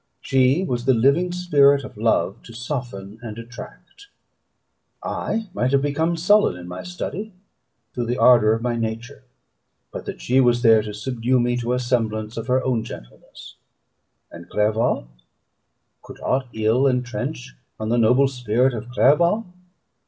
She was the living spirit of love to soften and attract: I might have become sullen in my study, rough through the ardour of my nature, but that she was there to subdue me to a semblance of her own gentleness. And Clerval could aught ill entrench on the noble spirit of Clerval?